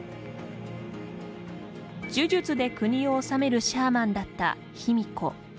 呪術で国を治めるシャーマンだった卑弥呼。